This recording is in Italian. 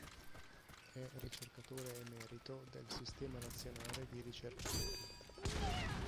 È ricercatore emerito del Sistema Nazionale di Ricercatori.